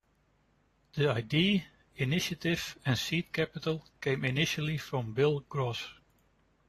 The idea, initiative, and seed capital came initially from Bill Gross.